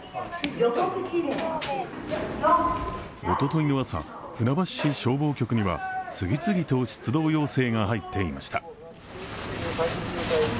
おととい朝、船橋市消防局には次々と出動要請が入っていました。